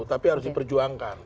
tapi harus diperjuangkan